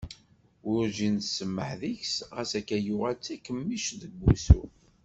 Werǧin tsemmeḥ deg-s ɣas akka yuɣal d takemmict deg wussu.